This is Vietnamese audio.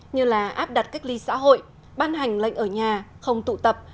như là áp đặt cách ly xã hội ban hành lệnh ở nhà không tụ tập